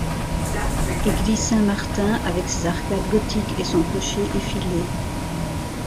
Église Saint-Martin, avec ses arcades gothiques et son clocher effilé.